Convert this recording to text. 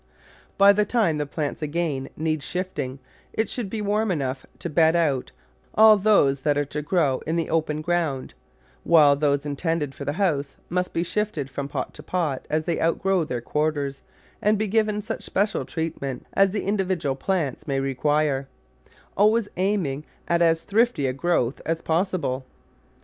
By the time the plants again need shifting it should be warm enough to bed out all those that are to grow in the open ground, while those intended for the house must be shifted from pot to pot as they outgrow their quarters and be given such special treatment as the individual plants may require, al ways aiming at as thrifty a growth as possible.